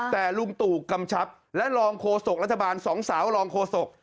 แต่ลุงตู่กำชับและรองโฆษกรัฐบาลสองสาวรองโฆษก